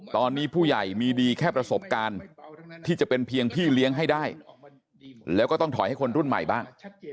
ตอนนี้ผู้ใหญ่มีดีแค่ประสบการณ์ที่จะเป็นเพียงพี่เลี้ยงให้ได้แล้วก็ต้องถอยให้คนรุ่นใหม่บ้าง